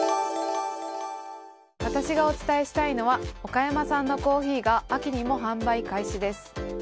私がお伝えしたいのは岡山産のコーヒーが秋にも販売開始です。